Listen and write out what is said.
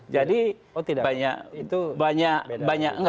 jadi banyak banyak banyak